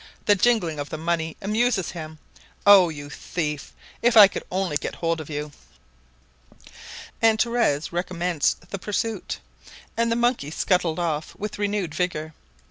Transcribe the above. The jingling of the money amuses him. Oh, you thief! If I could only get hold of you!" And Torres recommenced the pursuit, and the monkey scuttled off with renewed vigor.